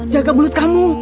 jaga mulut kamu